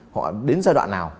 họ đến giai đoạn nào